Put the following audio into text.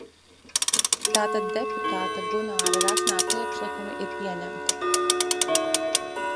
Tātad deputāta Gunāra Resnā priekšlikumi ir pieņemti.